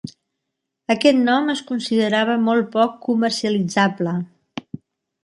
Aquest nom es considerava molt poc comercialitzable.